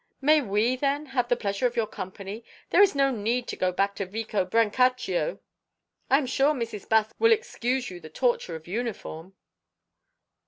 "May we, then, have the pleasure of your company? There is no need to go back to Vico Brancaccio. I am sure Mrs. Baske will excuse you the torture of uniform."